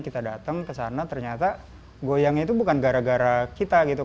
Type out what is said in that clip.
kita datang kesana ternyata goyang itu bukan gara gara kita gitu